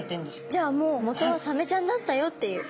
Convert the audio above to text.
じゃあもう元はサメちゃんだったよっていう。